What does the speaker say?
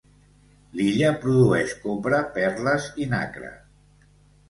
L'illa produeix copra, perles i nacre.